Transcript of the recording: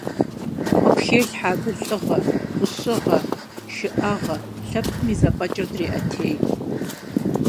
Къыпхелъхьэ абы лӏыгъэ, ӏущыгъэ, шыӏагъэ, лъэпкъым и зэфӏэкӏыр дреӏэтей.